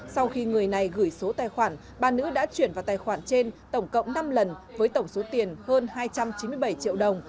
sau khi người này gửi số tài khoản bà nữ đã chuyển vào tài khoản trên tổng cộng năm lần với tổng số tiền hơn hai trăm chín mươi bảy triệu đồng